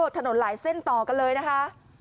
ถนนหลายเส้นต่อกันเลยนะคะ